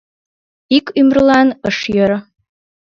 Ик ӱмырлан ыш йӧрӧ.